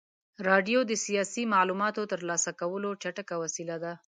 راډیو د سیاسي معلوماتو د ترلاسه کولو چټکه وسیله وه.